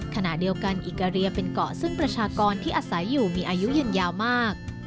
ขณะเดียวกันอิกาเรียเป็นเกาะซึ่งประชากรที่อาศัยอยู่มีอายุยืนยาวมาก